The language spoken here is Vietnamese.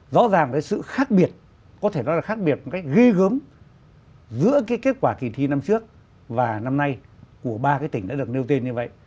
rõ ràng là sự khác biệt có thể nói là khác biệt gây gớm giữa kết quả kỳ thi năm trước và năm nay của ba tỉnh đã được nêu tên như vậy